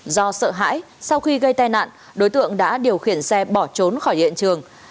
do sợ hãi sau khi gây tai nạn đối tượng đã điều khiển xe bỏ trốn khỏi hiện trường